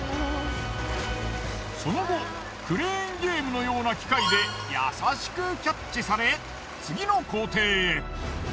その後クレーンゲームのような機械で優しくキャッチされ次の工程へ。